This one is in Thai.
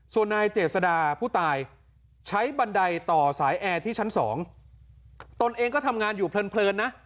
ส่วนนายเจษดาผู้ตายใช้บันไดต่อสายแอร์ที่ชั้นสองตนเองก็ทำงานอยู่เพลินนะ